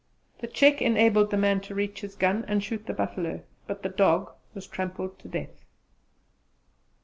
The check enabled the man to reach his gun and shoot the buffalo; but the dog was trampled to death.